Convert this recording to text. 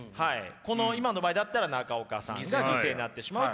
この今の場合だったら中岡さんが犠牲になってしまうという問題がね